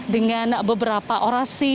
dengan beberapa orasi